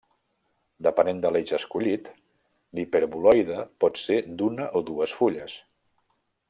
Depenent de l'eix escollit, l'hiperboloide pot ser d'una o dues fulles.